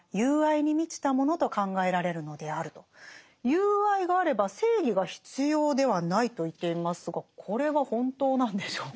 友愛があれば正義が必要ではないと言っていますがこれは本当なんでしょうか？